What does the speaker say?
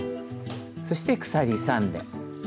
そして鎖３目。